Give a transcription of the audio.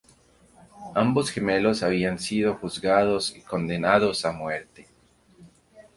Ambos gemelos habían sido juzgados y condenados a muerte.